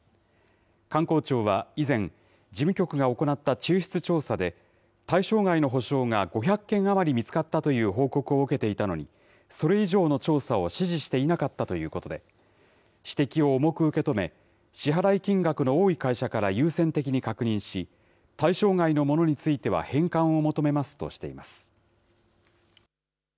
観光庁は以前、事務局が行った抽出調査で対象外の補償が５００件余り見つかったという報告を受けていたのに、それ以上の調査を指示していなかったということで、指摘を重く受け止め、支払い金額の多い会社から優先的に確認し、対象外のものについては返還を求めますとしています。